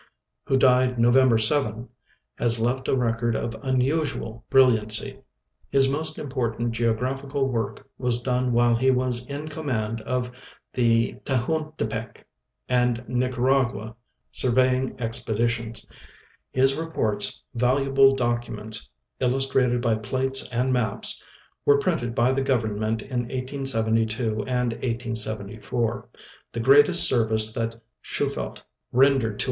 who died November 7, has left a record of unusual brilliancy. His most important geogra^ihical work was done while he was in command of the Tehuantepec and Nicaragua surveying expeditions. His reports, valuable documents illustrated by plates and maps, were printed by the Government in 1872 and 1874. The greatest service that Shufeldt rendered to .